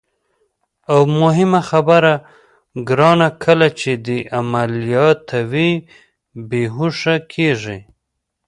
او مهمه خبره ګرانه، کله چې دې عملیاتوي، بېهوښه کېږي.